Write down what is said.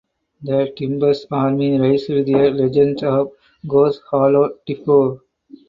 The Timbers Army raised their "Legends of Goose Hollow" tifo.